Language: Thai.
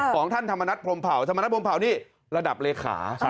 ของท่านธรรมนัฐพรมเผาธรรมนัฐพรมเผานี่ระดับเลขา